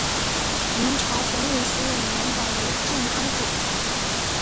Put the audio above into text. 明朝洪武十五年改为镇康府。